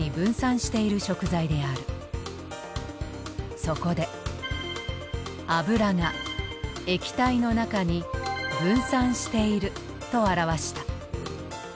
これはそこで油が液体の中に分散していると表した。